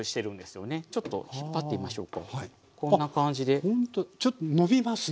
あっほんとちょっとのびますね。